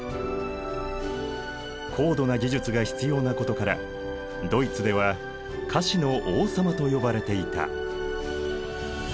高度な技術が必要なことからドイツでは菓子の王様と呼ばれていた。